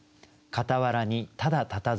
「かたわら」「ただたた」